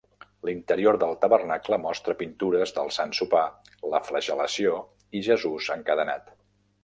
L'interior del tabernacle mostra pintures del Sant Sopar, la Flagel·lació i Jesús encadenat.